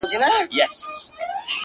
صبر وکړه لا دي زمانه راغلې نه ده.